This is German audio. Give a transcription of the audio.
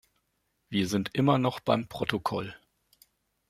Wir sind immer noch beim Protokoll.